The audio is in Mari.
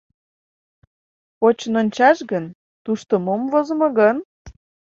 Почын ончаш гын, тушто мом возымо гын?